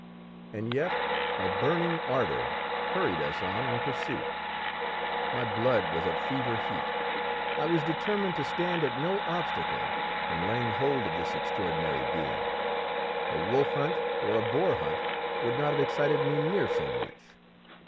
And yet a burning ardour hurried us on in pursuit; my blood was at fever heat; I was determined to stand at no obstacle in laying hold of this extraordinary being. A wolf hunt or a boar hunt would not have excited me near so much.